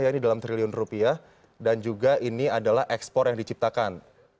ini dalam triliun rupiah dan juga ini adalah ekspor yang diciptakan